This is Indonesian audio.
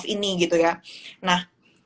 ini gitu ya nah